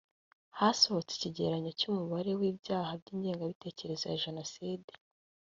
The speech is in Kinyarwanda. hasohotse icyegeranyo cy ‘umubare w ibyaha by’ ingengabitekerezo ya jenoside